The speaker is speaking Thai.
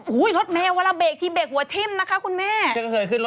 อ๋อเหรอค่ะพี่ห้าไม่เคย